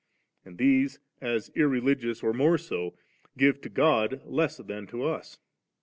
And these, as irreligious or more so, give to God less than to us.